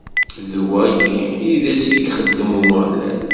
D wagi i d ass i yexdem Umeɣlal.